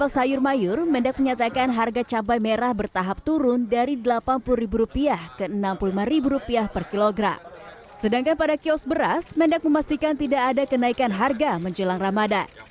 sedangkan pada kios beras mendak memastikan tidak ada kenaikan harga menjelang ramadan